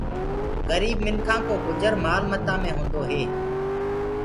گريب منکآ ڪو گُجر مآل متآ مي هوندو هي۔